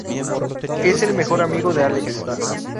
Es el mejor amigo de Alex.